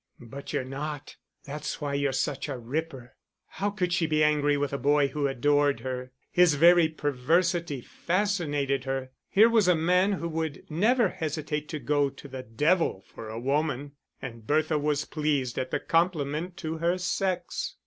"But you're not. That's why you're such a ripper." How could she be angry with a boy who adored her? His very perversity fascinated her. Here was a man who would never hesitate to go to the devil for a woman, and Bertha was pleased at the compliment to her sex.